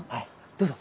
どうぞ。